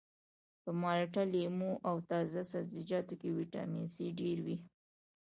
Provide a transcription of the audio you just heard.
په مالټه لیمو او تازه سبزیجاتو کې ویټامین سي ډیر وي